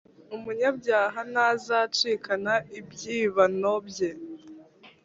Umunyabyaha ntazacikana ibyibano bye,